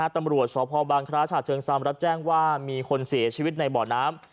ตำรวจสบชาติเชิงทรัพย์รับแจ้งว่ามีคนเสียชีวิตในบ่อน้ำ